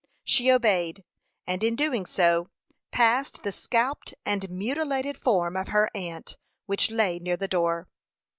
She obeyed, and, in doing so, passed the scalped and mutilated form of her aunt, which lay near the door.